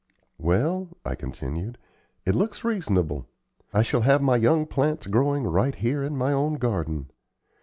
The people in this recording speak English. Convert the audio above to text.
"Well," I continued, "it looks reasonable. I shall have my young plants growing right here in my own garden.